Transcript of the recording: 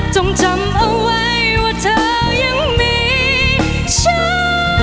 จงจำเอาไว้ว่าเธอยังมีฉัน